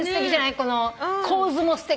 この構図もすてきだな。